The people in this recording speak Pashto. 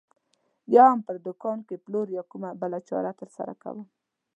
یا هم په دوکان کې پلور یا کومه بله چاره ترسره کوم.